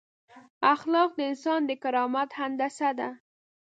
اخلاق د انسان د کرامت هندسه ده.